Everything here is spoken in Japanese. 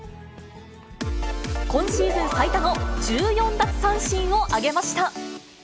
今シーズン最多の１４奪三振を挙げました。